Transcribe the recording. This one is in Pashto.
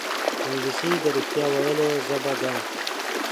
انګلیسي د رښتیا ویلو ژبه ده